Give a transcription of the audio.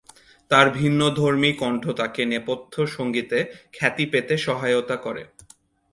তার ভিন্নধর্মী কণ্ঠ তাকে নেপথ্য সঙ্গীতে খ্যাতি পেতে সহায়তা করে।